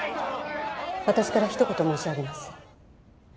私からひと言申し上げます。